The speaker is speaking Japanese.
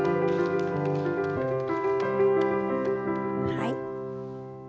はい。